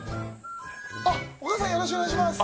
あっ、お母さん、よろしくお願いします。